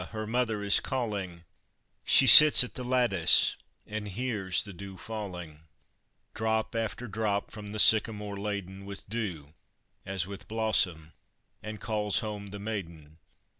her mother is calling, She sits at the lattice, and hears the dew falling, Drop after drop from the sycamore laden With dew as with blossom, and calls home the maiden.